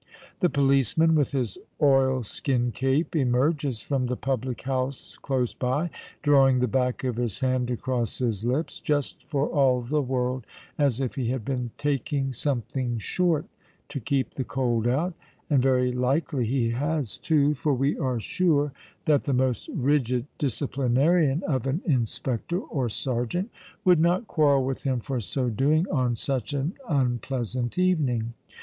The policeman, with his oil skin cape, emerges from the public house close by, drawing the back of his hand across his lips, just for all the world as if he had been taking "something short" to keep the cold out:—and very likely he has, too—for we are sure that the most rigid disciplinarian of an inspector or serjeant would not quarrel with him for so doing on such an unpleasant evening.